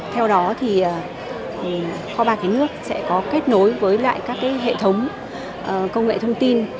theo đó thì kho bạc nhà nước sẽ có kết nối với lại các hệ thống công nghệ thông tin